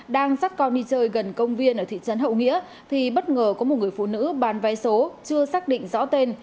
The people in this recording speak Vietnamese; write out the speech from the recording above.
đang dắt con đi chơi gần công viên ở thị trấn hậu nghĩa thì bất ngờ có một người phụ nữ bán vé số chưa xác định rõ tên